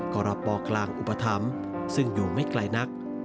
กรปกลางอุปถัมภ์ซึ่งอยู่ไม่ไกลนัก